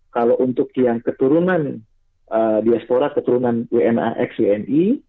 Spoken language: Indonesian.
kalau untuk yang keturunan diaspora keturunan wna x wni